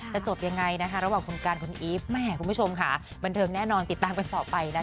จะจบยังไงนะคะระหว่างคุณการคุณอีฟแม่คุณผู้ชมค่ะบันเทิงแน่นอนติดตามกันต่อไปนะคะ